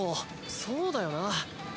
そうだよな。